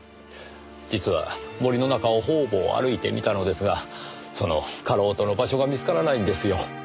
実は森の中を方々歩いてみたのですがそのかろうとの場所が見つからないんですよ。